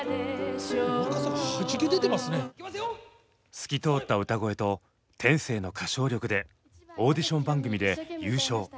透き通った歌声と天性の歌唱力でオーディション番組で優勝。